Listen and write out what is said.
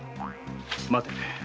待て。